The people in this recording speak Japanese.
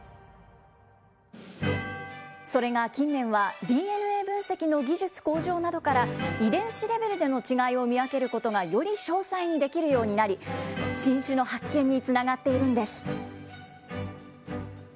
それが近年は、ＤＮＡ分析の技術向上などから、遺伝子レベルでの違いを見分けることがより詳細にできるようになり、新種の発見につながっているんです。